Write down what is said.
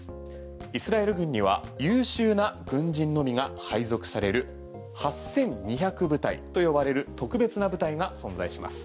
イスラエル軍には優秀な軍人のみが配属される８２００部隊と呼ばれる特別な部隊が存在します。